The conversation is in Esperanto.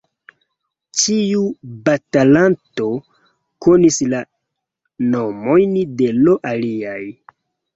Ĉiu batalanto konis la nomojn de l' aliaj.